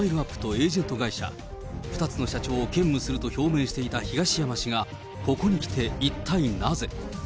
エージェント会社、２つの社長を兼務すると表明していた東山氏が、ここにきて一体なぜ。